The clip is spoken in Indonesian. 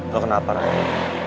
lo kenapa raya